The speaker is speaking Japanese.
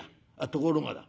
ところがだ